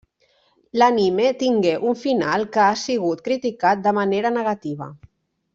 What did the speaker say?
L'anime tingué un final que ha sigut criticat de manera negativa.